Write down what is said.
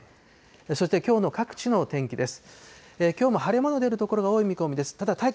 そしてきょうの各地の天気です。